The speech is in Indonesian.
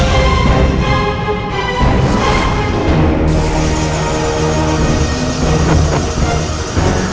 apa yang personnepaku bilang itu varian